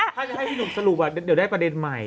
ถ้าจะให้พี่หนุ่มสรุปเดี๋ยวได้ประเด็นใหม่